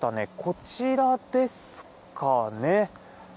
こちらですかね。